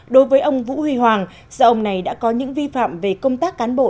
đối với ông vũ huy hoàng gia ông này đã có những vi phạm về công tác cán bộ